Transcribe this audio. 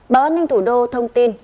báo án ninh thủ đô thông tin